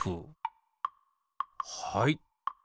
はい。